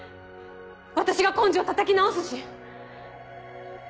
私が根性たたき直すし。